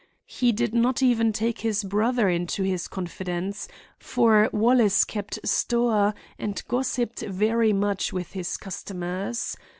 He did not even take his brother into his confidence, for Wallace kept store and gossiped very much with his customers.